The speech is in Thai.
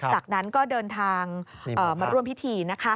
จากนั้นก็เดินทางมาร่วมพิธีนะคะ